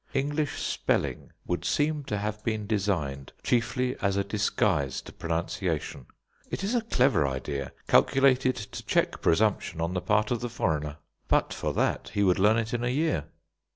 English spelling would seem to have been designed chiefly as a disguise to pronunciation. It is a clever idea, calculated to check presumption on the part of the foreigner; but for that he would learn it in a year.